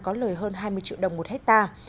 có lời hơn hai mươi triệu đồng một hectare